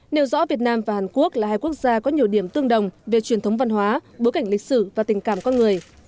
nêu rõ việt nam và hàn quốc là hai quốc gia có nhiều điểm tương đồng về truyền thống văn hóa bối cảnh lịch sử và tình cảm con người